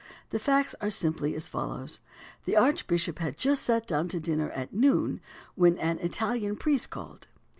The facts are simply as follows: the archbishop had just sat down to dinner at noon when an Italian priest called.